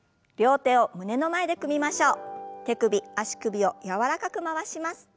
手首足首を柔らかく回します。